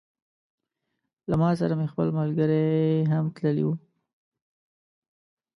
له ما سره مې خپل ملګري هم تللي وه.